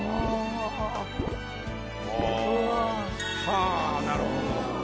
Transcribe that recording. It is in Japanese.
はあなるほど。